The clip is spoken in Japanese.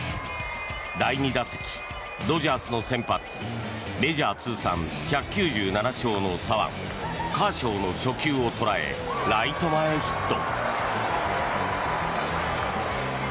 第２打席ドジャースの先発メジャー通算１９７勝の左腕カーショーの初球を捉えライト前ヒット。